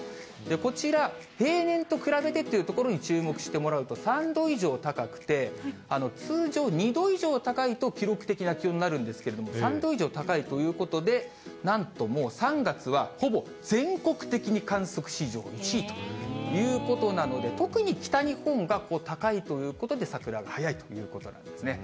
こちら、平年と比べてというところに注目してもらうと、３度以上高くて、通常２度以上高いと記録的な気温になるんですけれども、３度以上高いということで、なんともう、３月はほぼ全国的に観測史上１位ということなので、特に北日本が高いということで、桜が早いということなんですね。